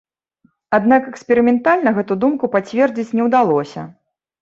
Аднак эксперыментальна гэту думку пацвердзіць не ўдалося.